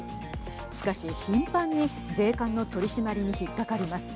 しかし、頻繁に税関の取締りに引っ掛かります。